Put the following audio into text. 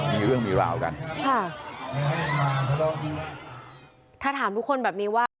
มีเรื่องมีราวกันค่ะถ้าถามทุกคนแบบนี้ว่า